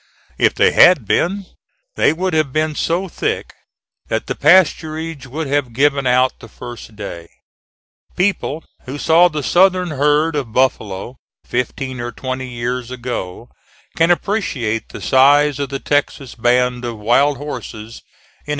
If they had been, they would have been so thick that the pasturage would have given out the first day. People who saw the Southern herd of buffalo, fifteen or twenty years ago, can appreciate the size of the Texas band of wild horses in 1846.